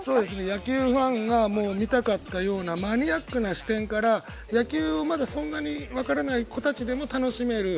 野球ファンが見たかったようなマニアックな視点から野球はそんなにまだ分からない子たちも楽しめる